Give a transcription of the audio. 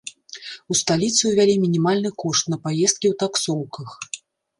У сталіцы ўвялі мінімальны кошт на паездкі ў таксоўках.